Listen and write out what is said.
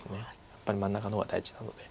やっぱり真ん中の方が大事なので。